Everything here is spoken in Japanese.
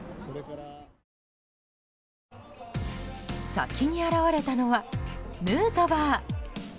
先に現れたのはヌートバー。